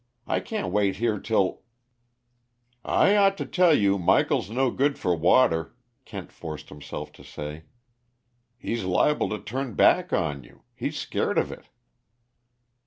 I can't wait here till " "I ought to tell you Michael's no good for water," Kent forced himself to say. "He's liable to turn back on you; he's scared of it."